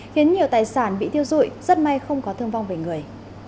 khiến nhiều tài sản bị thiêu dụi rất may không có thương vong về người